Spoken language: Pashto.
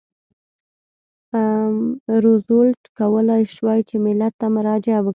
روزولټ کولای شوای چې ملت ته مراجعه وکړي.